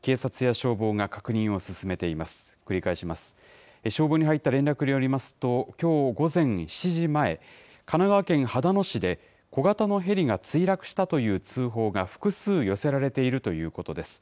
消防に入った連絡によりますと、きょう午前７時前、神奈川県秦野市で小型のヘリが墜落したという通報が複数寄せられているということです。